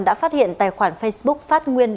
đã phát hiện tài khoản facebook phát nguyên